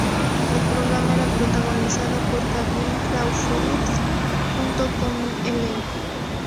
El programa era protagonizado por Gavin Crawford, junto con un elenco.